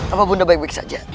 apa bunda baik baik saja